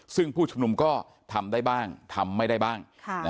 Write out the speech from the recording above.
ซึ่งผู้ชุมนุมก็ทำได้บ้างทำไม่ได้บ้าง